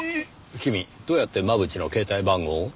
君どうやって真渕の携帯番号を？